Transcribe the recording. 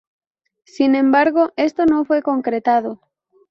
Sin embargo, esto no fue concretado.